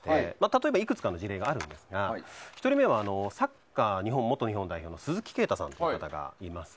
例えば、いくつかの事例があるんですが１人目はサッカー元日本代表の鈴木啓太さんという方がいます。